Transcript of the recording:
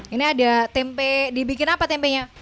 ini ada tempe dibikin apa tempenya